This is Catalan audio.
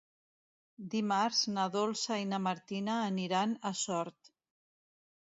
Dimarts na Dolça i na Martina aniran a Sort.